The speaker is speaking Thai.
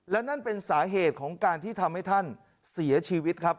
และนั่นเป็นสาเหตุของการที่ทำให้ท่านเสียชีวิตครับ